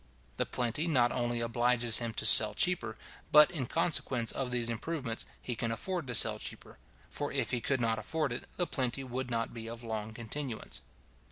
The plenty not only obliges him to sell cheaper, but, in consequence of these improvements, he can afford to sell cheaper; for if he could not afford it, the plenty would not be of long continuance.